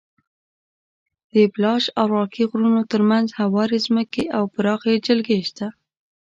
د اپالاش او راکي غرونو تر منځ هوارې ځمکې او پراخې جلګې شته.